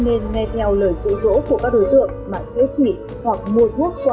gọi điện đến số hotline của các bệnh viện để được tư vấn